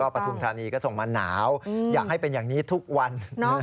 พระทุ่มธานีก็ส่งมาหนาวอยากให้เป็นแบบนี้ทุกวันนะครับคุณผู้ชมครับ